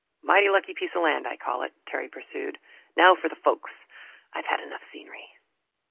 "Mighty lucky piece of land, I call it," Terry pursued. "Now for the folks I've had enough scenery."